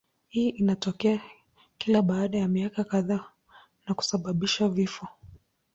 Hii inatokea kila baada ya miaka kadhaa na kusababisha vifo.